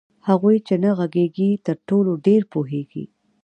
هغوئ چي نه ږغيږي ترټولو ډير پوهيږي